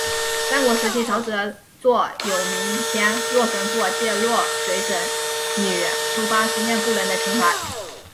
三国时期曹植作有名篇洛神赋借洛水神女抒发思念故人的情怀。